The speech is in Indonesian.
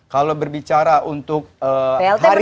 kalau berbicara untuk hari ini